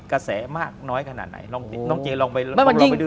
กระแสมากน้อยขนาดไหนลองน้องเจ๊ลองไปมันมันยิ่ง